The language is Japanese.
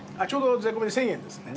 税込み１，０００円ですね。